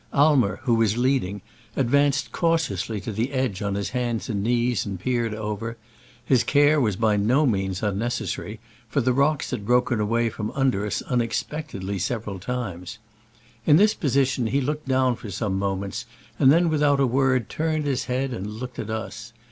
Aimer, who was leading, advanced cautiously to the edge on his hands and knees and peered over : his care was by no means unnecessary, for the rocks had broken away from under us unexpectedly several times. In this po sition he looked down for some moments, and then without a word turned his head and looked at us.